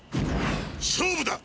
勝負だ！